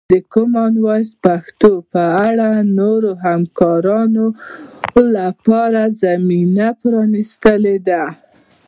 د کامن وایس پښتو په اړه د نورو همکاریو لپاره زمینه پرانیستې ده.